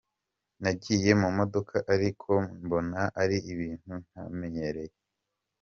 Nagiye mu modoka ariko mbona ari ibintu ntamenyereye.